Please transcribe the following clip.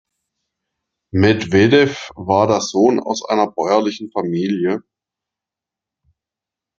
Medwedew war der Sohn aus einer bäuerlichen Familie.